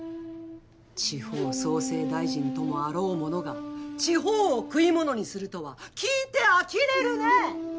地方創生大臣ともあろうものが地方を食い物にするとは聞いてあきれるねぇ！